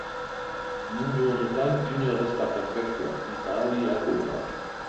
Mundu honetan inor ez da perfektua, eta hori argi dago.